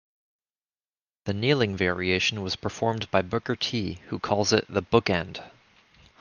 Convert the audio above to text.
The kneeling variation was performed by Booker T who calls it the "Book End".